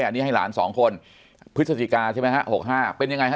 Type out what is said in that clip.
อันนี้ให้หลาน๒คนพฤศจิกาใช่ไหมฮะ๖๕เป็นยังไงฮะ